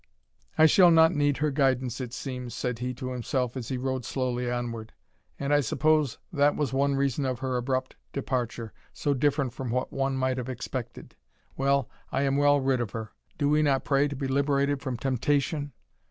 "I shall not need her guidance it seems," said he to himself, as he rode slowly onward; "and I suppose that was one reason of her abrupt departure, so different from what one might have expected. Well, I am well rid of her. Do we not pray to be liberated from temptation?